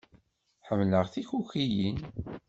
Ḥemmleɣ tikukiyin.